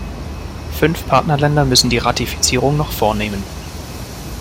Fünf Partnerländer müssen die Ratifizierung noch vornehmen.